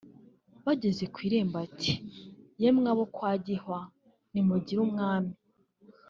Bageze ku irembo ati "Yemwe abo kwa Gihwa nimugire umwami